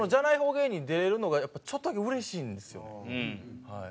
芸人出れるのがやっぱちょっとだけうれしいんですよねはい。